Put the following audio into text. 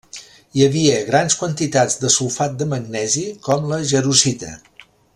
Hi havia grans quantitats de sulfat de magnesi com la jarosita.